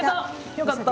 よかった！